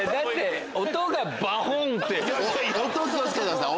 音気を付けてください。